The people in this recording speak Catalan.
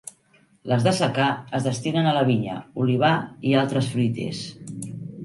Les de secà es destinen a la vinya, olivar i altres fruiters.